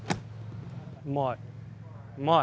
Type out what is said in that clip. うまい。